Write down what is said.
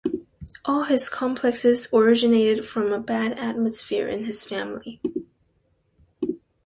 All his complexes originated from a bad atmosphere in his family.